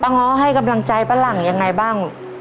ป้างฮอกกำลังใจป้าหลังยังไงบ้าง